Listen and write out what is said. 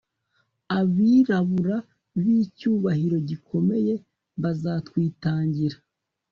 Abirabura bicyubahiro gikomeye bazatwitangira